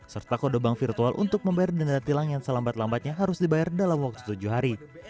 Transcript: serta kode bank virtual untuk membayar denda tilang yang selambat lambatnya harus dibayar dalam waktu tujuh hari